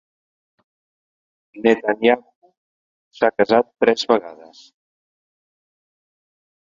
Netanyahu s'ha casat tres vegades.